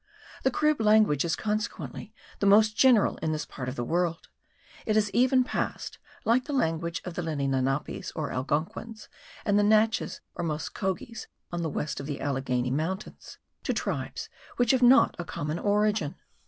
The Carib language is consequently the most general in this part of the world; it has even passed (like the language of the Lenni Lenapes, or Algonkins, and the Natchez or Muskoghees, on the west of the Allegheny mountains) to tribes which have not a common origin.